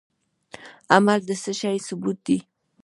عمل د څه شي ثبوت دی؟